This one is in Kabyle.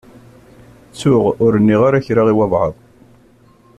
Ttuɣ ur nniɣ ara kra i wabɛaḍ.